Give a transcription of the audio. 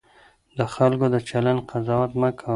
د خلکو د چلند قضاوت مه کوه.